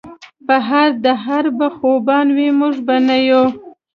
پۀ هر دهر به خوبان وي مونږ به نۀ يو